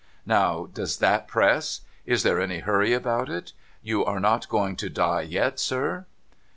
Now, does that press ? Is there any hurry about it ? You are not going to die yet, sir.'